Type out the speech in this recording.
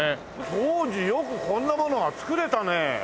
当時よくこんなものが作れたね。